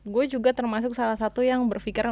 gue juga termasuk salah satu yang berpikiran